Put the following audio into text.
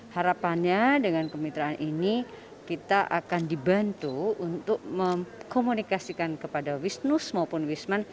harapannya dengan kemitraan ini kita akan dibantu untuk mengkomunikasikan kepada wisnus maupun wisman